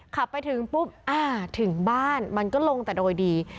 ขับไปถึงปุ๊บอ่าถึงบ้านมันก็ลงแต่โดยดี